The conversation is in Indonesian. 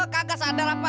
kaga sadar apa